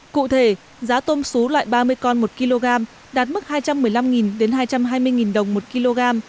cụ thể giá tôm xú loại ba mươi con một kg đạt mức hai trăm một mươi năm hai trăm hai mươi đồng một kg